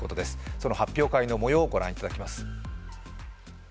その発表会のもようをご覧いただきます。